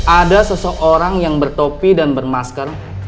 ada seseorang yang bertopi dan bermasker